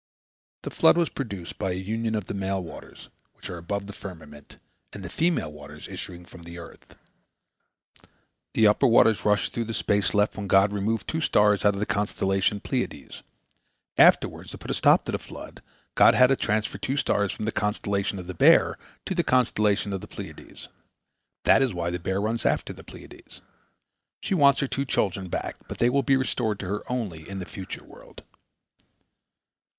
" The flood was produced by a union of the male waters, which are above the firmament, and the female waters issuing from the earth. The upper waters rushed through the space left when God removed two stars out of the constellation Pleiades. Afterward, to put a stop to the flood, God had to transfer two stars from the constellation of the Bear to the constellation of the Pleiades. That is why the Bear runs after the Pleiades. She wants her two children back, but they will be restored to her only in the future world.